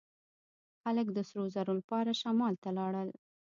خلک د سرو زرو لپاره شمال ته لاړل.